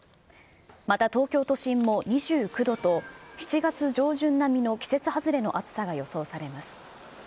また東京都心も２９度と、７月上旬並みの季節外れの暑さが予想されます。